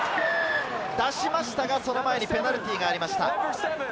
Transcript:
出しましたが、その前にペナルティーがありました。